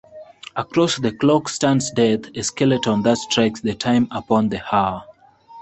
Across the clock stands Death, a skeleton that strikes the time upon the hour.